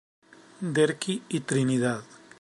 Derqui y Trinidad.